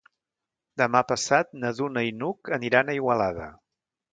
Demà passat na Duna i n'Hug aniran a Igualada.